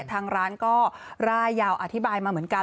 ทางร้านก็ร่ายยาวอธิบายมาเหมือนกัน